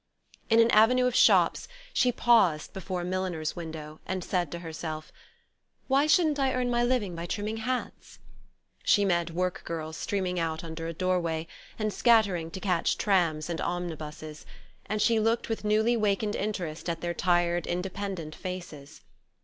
In an avenue of shops she paused before a milliner's window, and said to herself: "Why shouldn't I earn my living by trimming hats?" She met work girls streaming out under a doorway, and scattering to catch trams and omnibuses; and she looked with newly wakened interest at their tired independent faces.